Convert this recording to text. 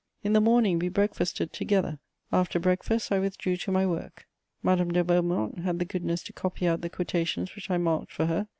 In the morning, we breakfasted together; after breakfast, I withdrew to my work; Madame de Beaumont had the goodness to copy out the quotations which I marked for her.